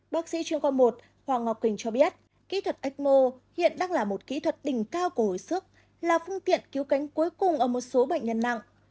bác sĩ chuyên khoa một hoàng ngọc quỳnh cho biết kỹ thuật ecmo hiện đang là một kỹ thuật đỉnh cao của hồi sức là phương tiện cứu cánh cuối cùng ở một số bệnh nhân nặng